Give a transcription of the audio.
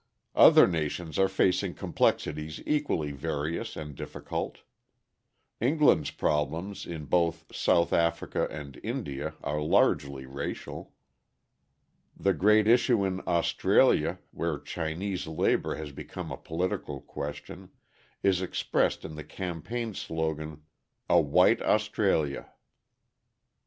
Other nations are facing complexities equally various and difficult. England's problems in both South Africa and India are largely racial. The great issue in Australia, where Chinese labour has become a political question, is expressed in the campaign slogan: "A white Australia."